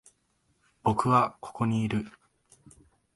僕はここにいる。